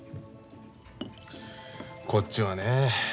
こっちはね